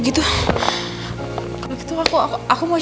bukan ber tour humans